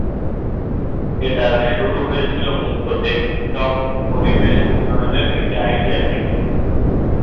এটার শুরু হয়েছিলো মুক্ত ডেস্কটপ পরিবেশ উন্নয়নের একটি আইডিয়া থেকে।